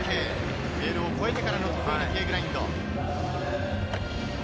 レールを越えてからのＫグラインド。